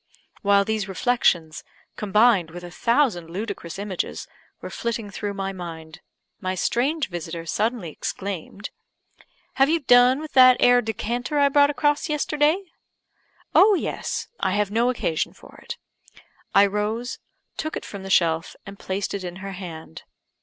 While these reflections, combined with a thousand ludicrous images, were flitting through my mind, my strange visitor suddenly exclaimed "Have you done with that 'ere decanter I brought across yesterday?" "Oh, yes! I have no occasion for it." I rose, took it from the shelf, and placed it in her hand.